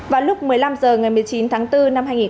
vào lúc một mươi năm h ngày một mươi chín tháng bốn